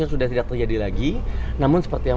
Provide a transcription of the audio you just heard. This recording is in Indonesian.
sudah tidak terjadi lagi namun seperti yang